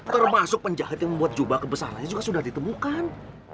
termasuk penjahat yang membuat jubah kebesarannya juga sudah ditemukan